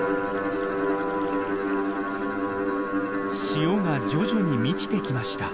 潮が徐々に満ちてきました。